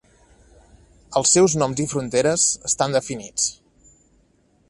Els seus noms i fronteres estan definits.